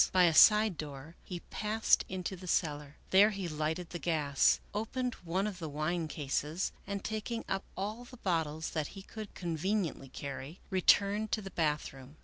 By a side door he passed into the cellar. There he lighted the gas, opened one of the wine cases, and, taking i:p all the bottles that he could conveniently carry, returned to the bathroom.